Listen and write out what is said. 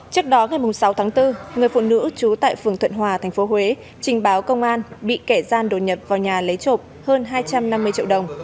trước đó ngày sáu tháng bốn người phụ nữ trú tại phường thuận hòa tp huế trình báo công an bị kẻ gian đột nhập vào nhà lấy trộm hơn hai trăm năm mươi triệu đồng